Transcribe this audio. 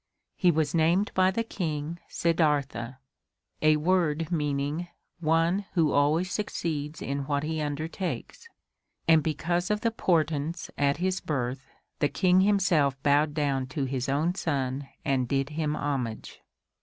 He was named by the King, "Siddartha," a word meaning one who always succeeds in what he undertakes and because of the portents at his birth the King himself bowed down to his own son and did him homage.